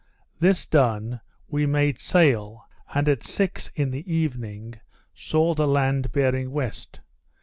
This done, we made sail, and at six in the evening saw the land bearing west.